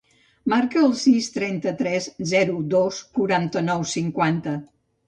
Marca el sis, trenta-tres, zero, dos, quaranta-nou, cinquanta.